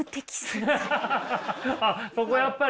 あっそこやっぱり。